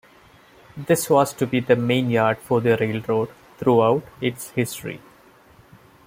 This was to be the main yard for the railroad throughout its history.